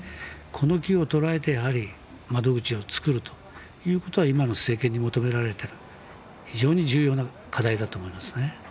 この機を捉えて窓口を作るということは今の政権に求められている非常に重要な課題だと思います。